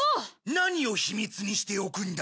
何を秘密にしておくんだ？